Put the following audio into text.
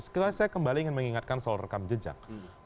saya kembali ingin mengingatkan soal rekam jejak